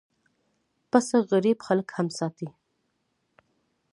پسه غریب خلک هم ساتي.